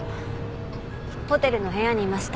ホテルの部屋にいました。